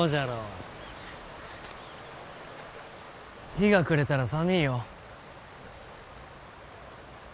日が暮れたら寒いよ。